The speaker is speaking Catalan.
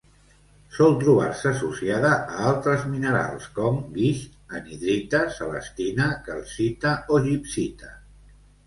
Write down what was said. Sol trobar-se associada a altres minerals com: guix, anhidrita, celestina, calcita o gibbsita.